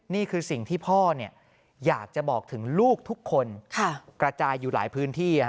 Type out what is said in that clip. นี่คือสิ่งที่พ่ออยากจะบอกถึงลูกทุกคนกระจายอยู่หลายพื้นที่